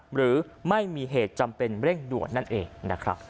หรือไม่มีเหตุจำเป็นเร่งด่วนนั่นเองนะครับ